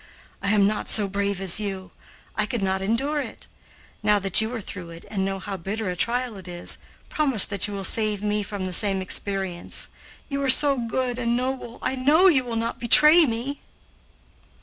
I am not so brave as you; I could not endure it. Now that you are through it and know how bitter a trial it is, promise that you will save me from the same experience. You are so good and noble I know you will not betray me."